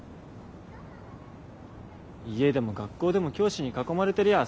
家でも学校でも教師に囲まれてりゃ